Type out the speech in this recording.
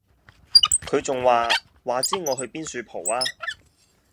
佢仲話:話知我去邊恕蒲吖